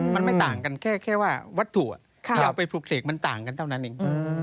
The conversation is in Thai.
มันไม่ต่างกันแค่ว่าวัตถุที่เอาไปปลูกเสกมันต่างกันเท่านั้นเอง